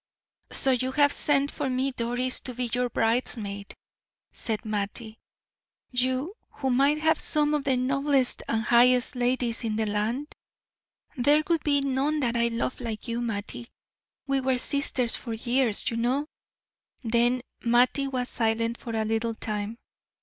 "So you have sent for me, Doris, to be your bridesmaid," said Mattie; "you, who might have some of the noblest and highest ladies in the land?" "There would be none that I love like you, Mattie. We were sisters for years, you know." Then Mattie was silent for a little time.